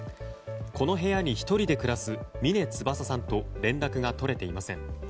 この部屋に１人で暮らす峰翼さんと連絡が取れていません。